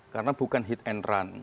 karena bukan hit and run